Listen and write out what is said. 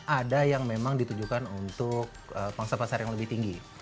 ada yang memang ditujukan untuk pangsa pasar yang lebih tinggi